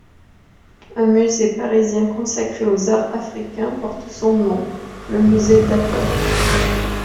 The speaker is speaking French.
Un musée parisien consacré aux arts africains porte son nom, le Musée Dapper.